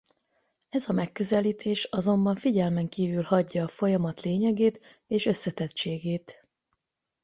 Ez a megközelítés azonban figyelmen kívül hagyja a folyamat lényegét és összetettségét.